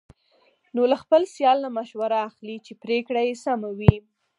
نو له خپل سیال نه مشوره اخلي، چې پرېکړه یې سمه وي.